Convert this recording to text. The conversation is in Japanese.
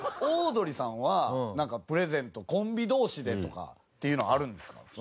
オードリーさんはプレゼントコンビ同士でとかっていうのはあるんですか？